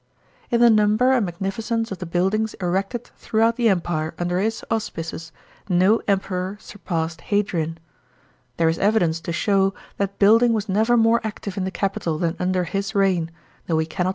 In the number and magnificence of the buildings erected throughout the Empire under his auspices no Emperor surpassed Hadrian. There is evidence to show that building was never more active in the capital than under his reign, though we cannot 117 138 A.